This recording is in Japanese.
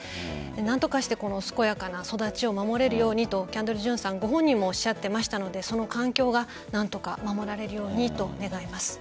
何とかして、この健やかな育ちを守れるようにとキャンドル・ジュンさんご本人もおっしゃっていたのでその環境が何とか守られるようにと願います。